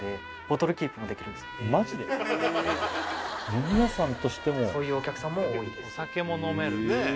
飲み屋さんとしてもそういうお客さんも多いです